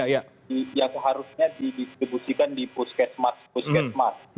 yang seharusnya didistribusikan di puskesmas puskesmas